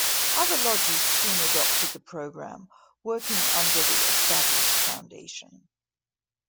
Other lodges soon adopted the program, working under the established foundation.